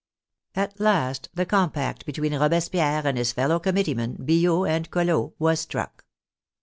At last the compact between Robespierre and his fel low committeemen, Billaud and Collot, was struck.